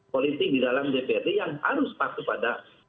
politik di dalam dprd yang harus patuh pada